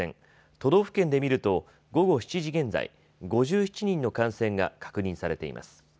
都道府県で見ると午後７時現在、５７人の感染が確認されています。